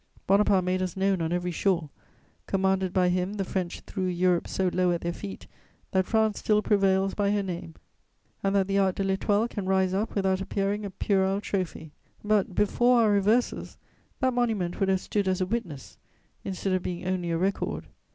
Bonaparte made us known on every shore; commanded by him, the French threw Europe so low at their feet that France still prevails by her name, and that the Arc de l'Étoile can rise up without appearing a puerile trophy; but, before our reverses, that monument would have stood as a witness, instead of being only a record.